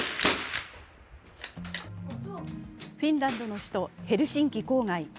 フィンランドの首都ヘルシンキ郊外。